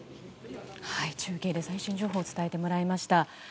中継で最新情報を伝えてもらいました。